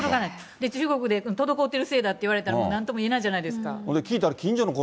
中国で滞ってるせいだって言われたら、なんとも言えないじゃないですか。